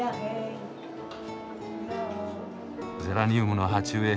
ゼラニウムの鉢植え